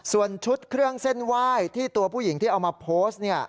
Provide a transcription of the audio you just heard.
ส่วนชุดเครื่องเส้นไหว้ที่ตัวผู้หญิงที่เอามาโพสต์เนี่ย